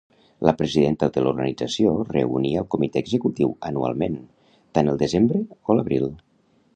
La presidenta de l'organització reunia el comitè executiu anualment, tant el desembre o l'abril.